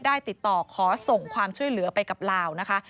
ติดต่อขอส่งความช่วยเหลือไปกับลาวนะคะ